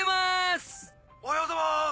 おはようございます。